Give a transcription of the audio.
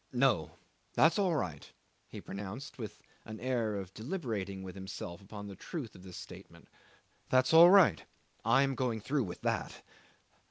"No. That's all right," he pronounced with an air of deliberating with himself upon the truth of this statement "that's all right. I am going through with that.